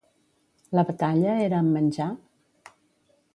La batalla era amb menjar?